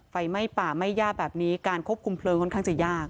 ไฟไหม้ป่าไม่ยากแบบนี้การควบคุมเพลิงค่อนข้างจะยาก